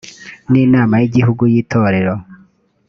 n inama y igihugu yitorero